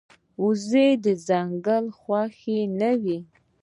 وزې د ځنګل خوښه نه وي